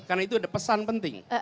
karena itu ada pesan penting